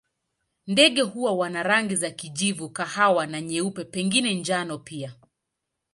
Ndege hawa wana rangi za kijivu, kahawa na nyeupe, pengine njano pia.